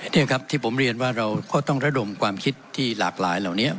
นี่ครับที่ผมเรียนว่าเราก็ต้องระดมความคิดที่หลากหลายเหล่านี้